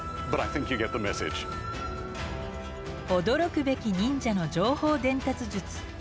驚くべき忍者の情報伝達術。